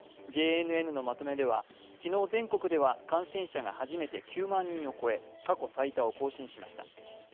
ＪＮＮのまとめでは、昨日、全国では感染者が初めて９万人を超え過去最多を更新しました。